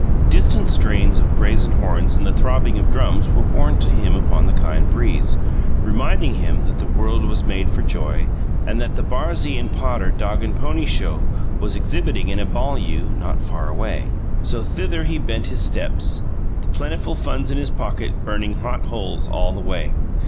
Distant strains of brazen horns and the throbbing of drums were borne to him upon the kind breeze, reminding him that the world was made for joy, and that the Barzee and Potter Dog and Pony Show was exhibiting in a banlieue not far away. So, thither he bent his steps the plentiful funds in his pocket burning hot holes all the way.